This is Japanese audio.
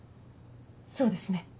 そうですね。